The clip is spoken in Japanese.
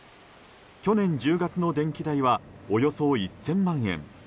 去年１０月の電気代はおよそ１０００万円。